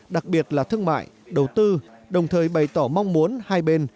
đặc biệt là thương mại đầu tư đồng thời bày tỏ mong muốn hai bên